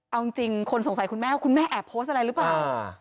เอาจริงคนสงสัยคุณแม่ว่าคุณแม่แอบโพสต์อะไรหรือเปล่า